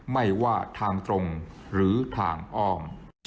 ไม่ว่าทางตรงหรือทางอ้อม